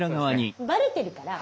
バレてるから。